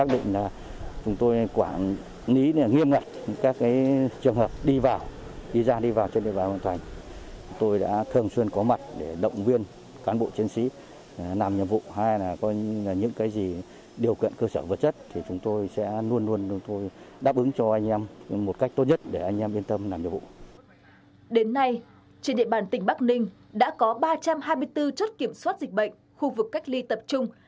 đến nay trên địa bàn tỉnh bắc ninh đã có ba trăm hai mươi bốn chất kiểm soát dịch bệnh khu vực cách ly tập trung